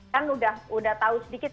kan udah tahu sedikit